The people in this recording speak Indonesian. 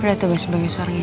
ada tugas sebagai seorang istri